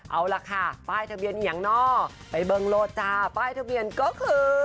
เอาล่ะค่ะป้ายทะเบียนเหียงนอกไปเบิ้งโลดจ้าป้ายทะเบียนก็คือ